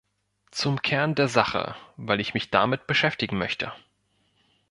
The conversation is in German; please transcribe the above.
Zum Kern der Sache, weil ich mich damit beschäftigen möchte.